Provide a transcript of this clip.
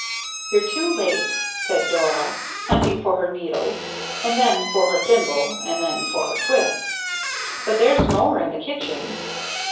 "You're too late," said Dora, hunting for her needle and then for her thimble, and then for her twist; "but there's more in the kitchen."